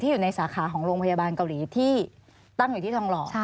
อยู่ในสาขาของโรงพยาบาลเกาหลีที่ตั้งอยู่ที่ทองหล่อ